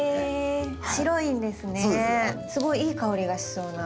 すごいいい香りがしそうな。